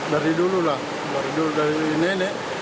dari dulu lah dari dulu dari nenek